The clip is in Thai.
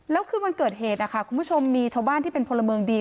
แล้วคืนวันเกิดเหตุคุณผู้ชมมีชาวบ้านที่เป็นพลเมืองดี